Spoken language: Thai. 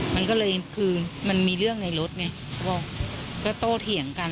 มันก็เลยคือมันมีเรื่องในรถไงเขาบอกก็โตเถียงกัน